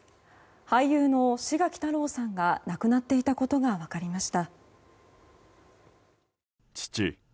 俳優の志垣太郎さんが亡くなっていたことが分かりました。